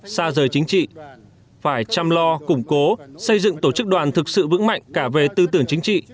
xa rời chính trị phải chăm lo củng cố xây dựng tổ chức đoàn thực sự vững mạnh cả về tư tưởng chính trị